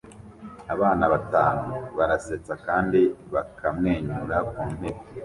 Abana batanu barasetsa kandi bakamwenyura ku ntebe